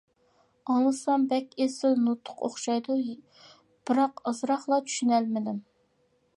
ئاڭلىسام بەك ئېسىل نۇتۇق ئوخشايدۇ، بىراق ئازراقلا چۈشىنەلىدىم.